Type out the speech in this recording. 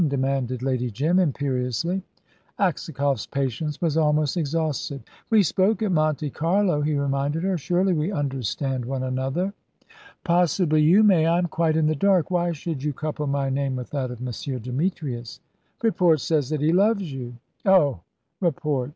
demanded Lady Jim, imperiously. Aksakoff's patience was almost exhausted. "We spoke at Monte Carlo," he reminded her. "Surely we understand one another." "Possibly you may. I am quite in the dark. Why should you couple my name with that of M. Demetrius?" "Report says that he loves you." "Oh report!"